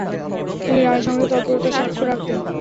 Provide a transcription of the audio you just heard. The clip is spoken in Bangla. তিনি রান সংগ্রহে তৎপরতার স্বাক্ষর রাখতেন।